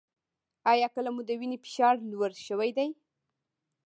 ایا کله مو د وینې فشار لوړ شوی دی؟